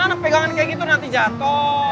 anak pegangan kayak gitu nanti jatuh